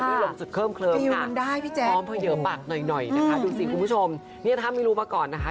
ด้วยลมจุดเคลิมเคลิมค่ะดูสิคุณผู้ชมเนี่ยถ้าไม่รู้มาก่อนนะคะ